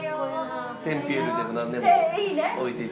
テンピュールでもなんでも置いて頂いて。